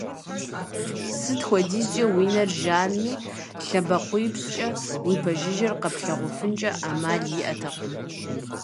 Сыт хуэдизкӀэ уи нэр жанми, лъэбакъуипщӀкӀэ упэжыжьэр къэплъагъуфынкӀэ Ӏэмал иӀэтэкъым.